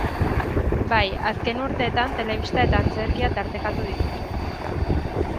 Bai, azken urteetan telebista eta antzerkia tartekatu ditut.